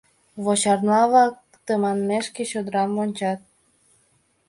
Вочарма-влак тыманмешке чодырам вончат.